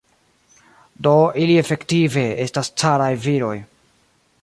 Do ili efektive estas caraj viroj.